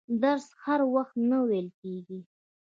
درس هر وخت نه ویل کیږي.